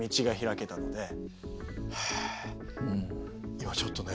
今ちょっとね